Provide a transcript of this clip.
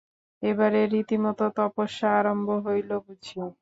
এবারে রীতিমত তপস্যা আরম্ভ হইল বুঝি!